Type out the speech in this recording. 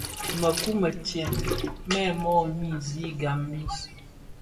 Mëkuu më tsèb mèn mö nisi gaň bi.